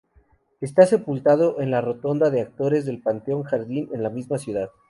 Está sepultado en la Rotonda de Actores del Panteón Jardín, en la misma ciudad.